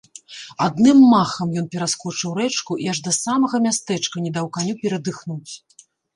Адным махам ён пераскочыў рэчку і аж да самага мястэчка не даў каню перадыхнуць.